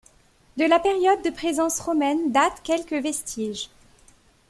De la période de présence romaine datent quelques vestiges.